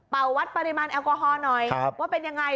วัดปริมาณแอลกอฮอล์หน่อยว่าเป็นยังไง